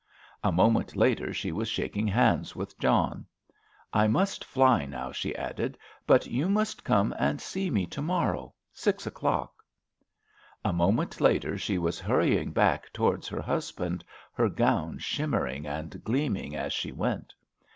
A moment later she was shaking hands with John. "I must fly now," she added, "but you must come and see me to morrow—six o'clock." A moment later she was hurrying back towards her husband, her gown shimmering and gleaming as she went.